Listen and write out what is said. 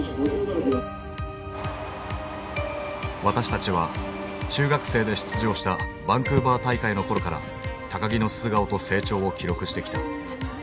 私たちは中学生で出場したバンクーバー大会の頃から木の素顔と成長を記録してきた。